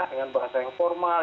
dengan bahasa yang formal